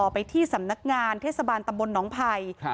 ไปที่สำนักงานเทศบาลตำบลหนองภัย